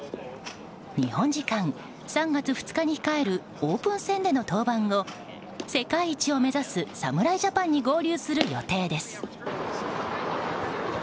日本時間３月２日に控えるオープン戦での登板後世界一を目指す侍ジャパンに合流する予定です。